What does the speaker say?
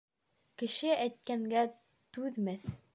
Кеше әйткәнгә түҙмәҫ.